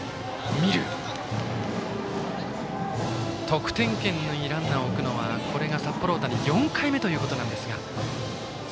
得点圏にランナーを置くのはこれが札幌大谷４回目ということですが。